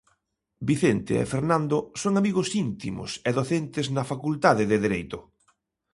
Vicente e Fernando son amigos íntimos e docentes na Facultade de Dereito.